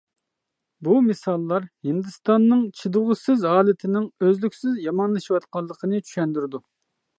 بۇ مىساللار ھىندىستاننىڭ ‹ ‹چىدىغۇسىز› › ھالىتىنىڭ ئۈزلۈكسىز يامانلىشىۋاتقانلىقىنى چۈشەندۈرىدۇ.